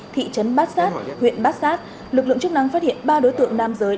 thị trấn bát sát huyện bát sát lực lượng chức năng phát hiện ba đối tượng nam giới